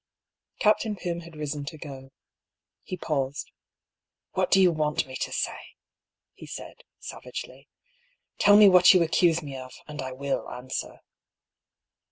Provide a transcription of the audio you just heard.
Captain Pym had risen to go. He paused. What do you want me to say ?" he said, savagely. " Tell me what you accuse me of, and I will answer."